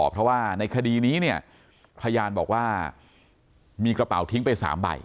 เพราะว่าในคดีนี้เนี่ยพยานบอกว่ามีกระเป๋าทิ้งไป๓ใบ